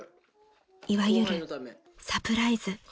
［いわゆるサプライズ］